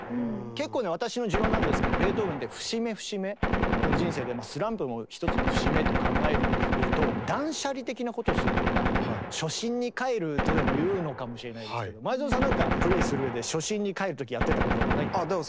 結構ね私の持論なんですけどベートーベンって節目節目この人生でスランプも一つの節目と考えると初心に返るとでも言うのかもしれないですけど前園さんなんかプレーする上で初心に返る時やってたこととか？